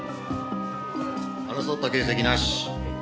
争った形跡なし。